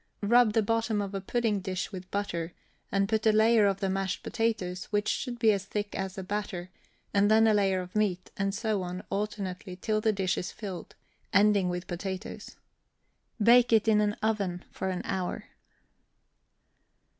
Rub the bottom of a pudding dish with butter, and put a layer of the mashed potatoes, which should be as thick as a batter, and then a layer of meat, and so on alternately till the dish is filled, ending with potatoes. Bake it in an oven for an hour.